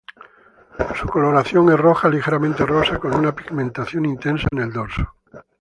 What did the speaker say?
Su coloración es roja ligeramente rosa, con una pigmentación intensa en el dorso.